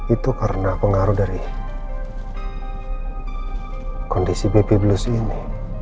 itu karena pengaruh dari kondisi baby blues ini